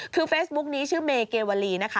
คือเฟซบุ๊กนี้ชื่อเมเกวลีนะคะ